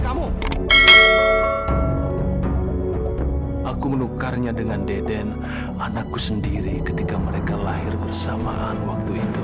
kamu aku menukarnya dengan deden anakku sendiri ketika mereka lahir bersamaan waktu itu